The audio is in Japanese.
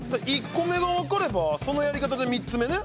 １個目が分かればそのやり方で３つ目ね。